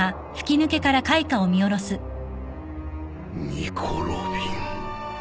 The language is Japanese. ニコ・ロビン。